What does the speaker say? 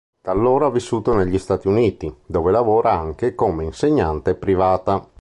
Da allora ha vissuto negli Stati Uniti, dove lavora anche come insegnante privata.